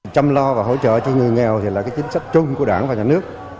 chăm lo và hỗ trợ cho người nghèo là chính sách chung của đảng và nhà nước